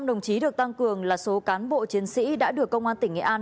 một trăm linh đồng chí được tăng cường là số cán bộ chiến sĩ đã được công an tỉnh nghệ an